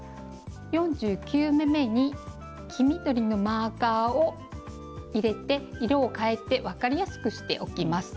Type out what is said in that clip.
４９目めに黄緑のマーカーを入れて色を変えて分かりやすくしておきます。